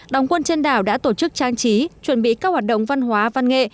đóng quân trên đảo đã tổ chức trang trí chuẩn bị các hoạt động văn hóa văn nghệ